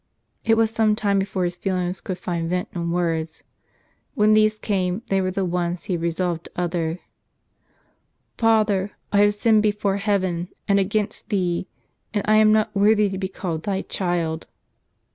It was some time before his feelings could find vent in words; when these came, they were the ones he had resolved to utter :" Father, I have sinned before heaven, and against Thee, and I am not worthy to be called Thy child."